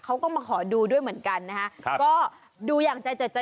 เขาก็มาขอดูด้วยเหมือนกันนะฮะ